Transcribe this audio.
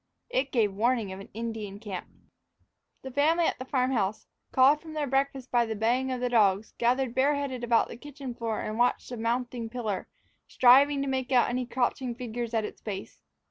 It gave warning of an Indian camp. The family at the farm house, called from their breakfast by the baying of the dogs, gathered bareheaded about the kitchen door and watched the mounting pillar, striving to make out any crouching figures at its base.